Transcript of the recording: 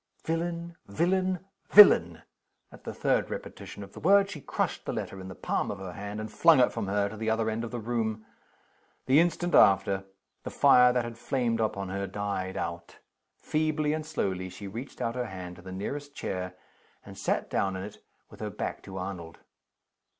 "Villain! villain! villain!" At the third repetition of the word, she crushed the letter in the palm of her hand, and flung it from her to the other end of the room. The instant after, the fire that had flamed up in her died out. Feebly and slowly she reached out her hand to the nearest chair, and sat down in it with her back to Arnold.